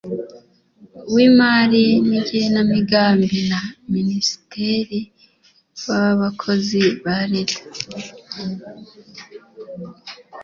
w imari n igenamigambi na minisitiri w abakozi ba leta